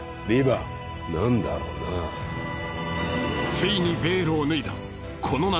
何だろうなついにベールを脱いだこの夏